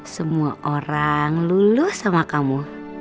semua orang luluh sama kamu